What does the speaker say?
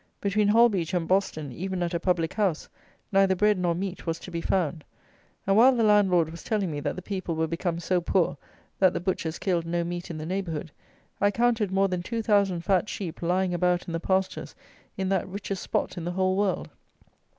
Between Holbeach and Boston, even at a public house, neither bread nor meat was to be found; and while the landlord was telling me that the people were become so poor that the butchers killed no meat in the neighbourhood. I counted more than two thousand fat sheep lying about in the pastures in that richest spot in the whole world.